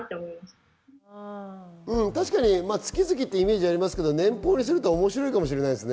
確かに月々っていうイメージがありますけど、年俸にすると面白いかもしれませんね。